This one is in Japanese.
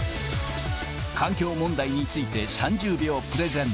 環境問題について３０秒プレゼン。